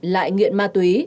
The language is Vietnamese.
lại nghiện ma túy